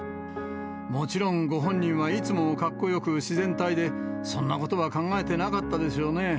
もちろん、ご本人はいつもかっこよく自然体で、そんなことは考えてなかったでしょうね。